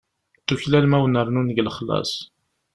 Tuklalem ad wen-rnun deg lexlaṣ.